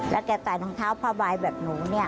แล้วแกใส่รองเท้าผ้าใบแบบหนูเนี่ย